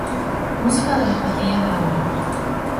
Música de Las pastillas del abuelo.